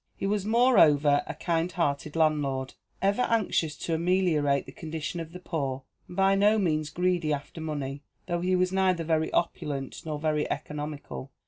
He was, moreover, a kind hearted landlord ever anxious to ameliorate the condition of the poor and by no means greedy after money, though he was neither very opulent nor very economical.